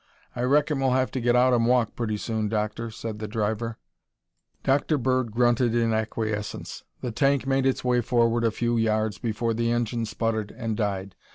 "I reckon we'll have to get out and walk pretty soon, Doctor," said the driver. Dr. Bird grunted in acquiescence. The tank made its way forward a few yards before the engine sputtered and died.